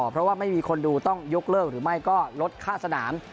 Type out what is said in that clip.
เพราะว่าไม่มีคนดูต้องยกเลิกหรือไม่ก็ลดค่าสนาม